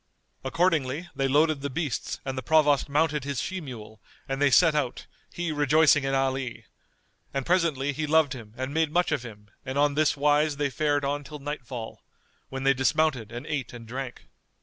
Accordingly they loaded the beasts and the Provost mounted his she mule and they set out he rejoicing in Ali; and presently he loved him and made much of him and on this wise they fared on till nightfall, when they dismounted and ate and drank.